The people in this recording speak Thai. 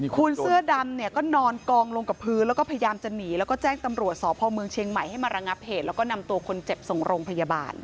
คุณเสื้อดำเนี่ยก็นอนกองลงกับพื้นแล้วก็พยายามจะหนีแล้วก็แจ้งตำรวจสพเมืองเชียงใหม่ให้มาระงับเหตุแล้วก็นำตัวคนเจ็บส่งโรงพยาบาล